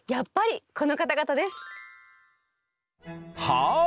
はい！